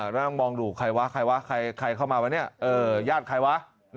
นั่นมองดูใครเข้ามาวะนี่ญาติใครวะ